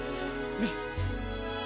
ねっ！